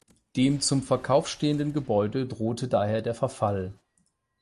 Dem zum Verkauf stehenden Gebäude drohte daher der Verfall.